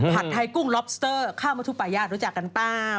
ผัดไทยกุ้งล็อบสเตอร์ข้าวมาทุปายารู้จักกันเปล่า